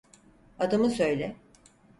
Adımı söyle!